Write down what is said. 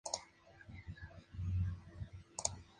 Actualmente se está tramitando el proceso para su beatificación.